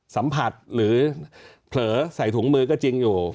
สัมผัสหรือเผลอใส่ถุงมือก็จริงอยู่